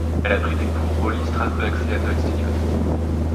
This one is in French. Elle a pris des cours au Lee Strasberg Theatre Institute.